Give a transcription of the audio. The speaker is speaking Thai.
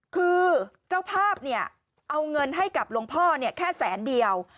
คือเจ้าภาพเนี่ยเอาเงินให้กับหลวงพ่อแค่แสนเดียว